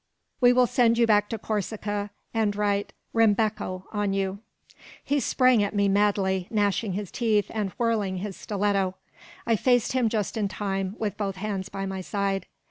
We will send you back to Corsica, and write 'Rimbecco' on you." He sprang at me madly, gnashing his teeth, and whirling his stiletto. I faced him just in time, with both hands by my side.